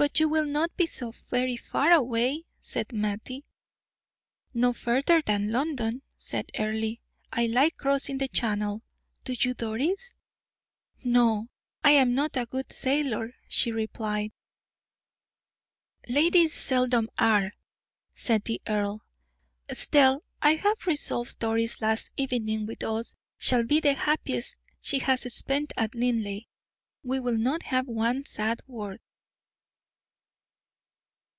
"But you will not be so very far away," said Mattie. "No further than London," said Earle. "I like crossing the Channel; do you, Doris?" "No, I am not a good sailor," she replied. "Ladies seldom are," said the earl. "Estelle, I have resolved Doris' last evening with us shall be the happiest she has spent at Linleigh. We will not have one sad word."